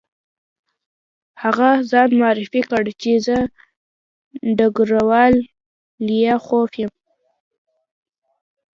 هغه ځان معرفي کړ چې زه ډګروال لیاخوف یم